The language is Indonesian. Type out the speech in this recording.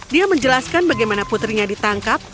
dia menjelaskan bagaimana putrinya ditangkap